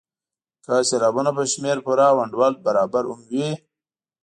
که سېلابونه په شمېر پوره او انډول برابر هم وي.